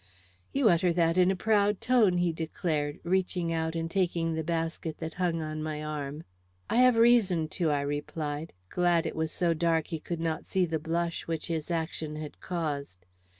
"You utter that in a proud tone," he declared, reaching out and taking the basket that hung on my arm. "I have reason to," I replied, glad it was so dark he could not see the blush which his action had caused.